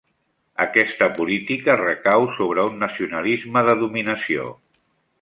Aquesta política recau sobre un nacionalisme de dominació.